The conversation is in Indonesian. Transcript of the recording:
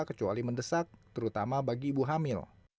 kecuali mendesak terutama bagi ibu hamil